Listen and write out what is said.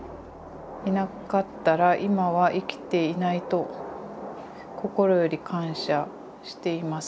いなかったら今は生きていないと心より感謝しています。